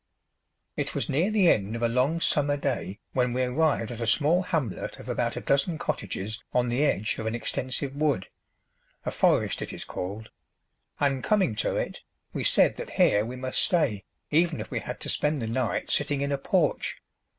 It was near the end of a long summer day when we arrived at a small hamlet of about a dozen cottages on the edge of an extensive wood a forest it is called; and, coming to it, we said that here we must stay, even if we had to spend the night sitting in a porch.